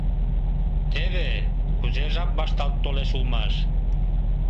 Теве кузе жап вашталт толеш улмаш!..